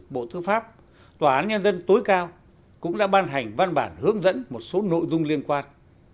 bộ tư pháp tòa án nhân dân tối cao cũng đã ban hành văn bản hướng dẫn một số nội dung liên quan